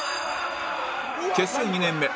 結成２年目